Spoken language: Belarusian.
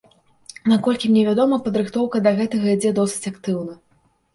Наколькі мне вядома, падрыхтоўка да гэтага ідзе досыць актыўна.